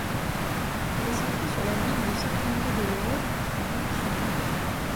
Elle est centrée sur la ville de Saint-André-de-l'Eure, d'où son nom.